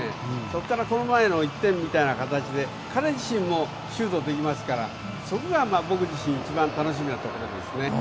そこからこの前の１点みたいな形で彼自身もシュートできますからそれが僕自身一番楽しみなところですね。